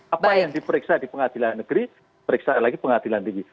apa yang diperiksa di pengadilan negeri periksa lagi pengadilan tinggi